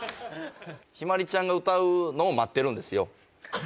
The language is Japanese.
陽鞠ちゃんが歌うのを待ってるんですよ。